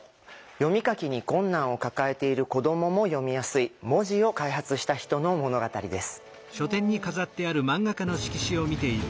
読み書きに困難を抱えている子どもも読みやすい文字を開発した人の物語です。